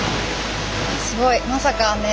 すごいまさかね